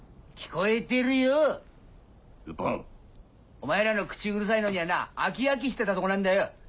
お前らの口うるさいのにはな飽き飽きしてたとこなんだよ。